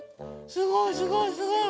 すごいすごいすごい。